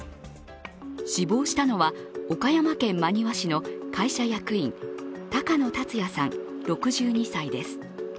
死亡したのは岡山県真庭市の会社役員、高野達也さん６２歳です。